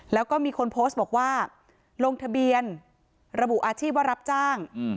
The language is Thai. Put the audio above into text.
แล้วก็มีคนโพสต์บอกว่าลงทะเบียนระบุอาชีพว่ารับจ้าง